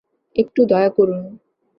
একটু দয়া করুন!